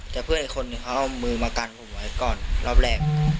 แต่เพื่อนอีกคนนึงเขาเอามือมากันผมไว้ก่อนรอบแรก